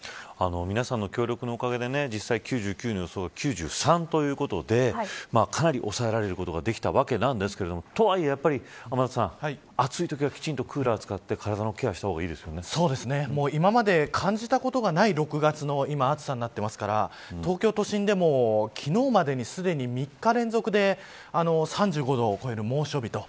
皆さんの協力のおかげで実際９９の予想が９３ということでかなり抑えることができたわけなんですがとはいえ、天達さん暑いときは、しっかりとクーラーを使って今まで感じたことがない６月の暑さになっていますから東京都心でも昨日までにすでに３日連続で３５度を超える猛暑日と。